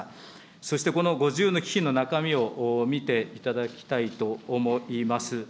そしてこの５０の基金の中身を見ていただきたいと思います。